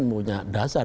mungkin punya dasar